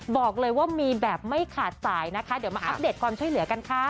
บอกเลยว่ามีแบบไม่ขาดสายนะคะเดี๋ยวมาอัปเดตความช่วยเหลือกันค่ะ